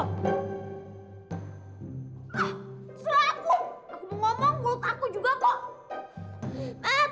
selaku aku mau ngomong gue takut juga kok